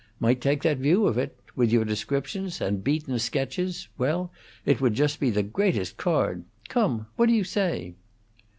Might take that view of it. With your descriptions and Beaton's sketches well, it would just be the greatest card! Come! What do you say?"